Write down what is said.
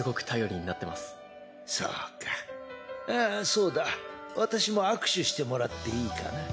そうだ私も握手してもらっていいかな？